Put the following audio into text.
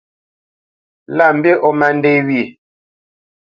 Lâ mbî ó má ndê wyê.